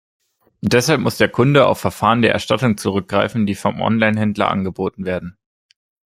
Deshalb muss der Kunde auf Verfahren der Erstattung zurückgreifen, die vom Online-Händler angeboten werden.